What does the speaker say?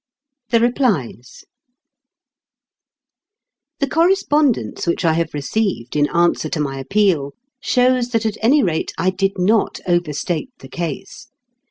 THE REPLIES The correspondence which I have received in answer to my appeal shows that at any rate I did not overstate the case.